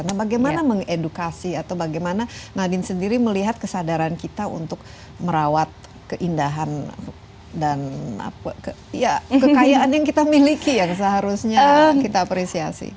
nah bagaimana mengedukasi atau bagaimana nadine sendiri melihat kesadaran kita untuk merawat keindahan dan kekayaan yang kita miliki yang seharusnya kita apresiasi